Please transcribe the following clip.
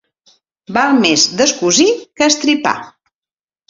Val més descosir que estripar.